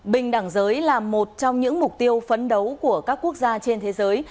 bình đẳng giới là một trong những mục tiêu phấn đấu của các quốc gia trên thế giới